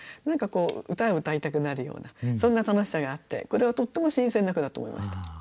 何かこう歌を歌いたくなるようなそんな楽しさがあってこれはとっても新鮮な句だと思いました。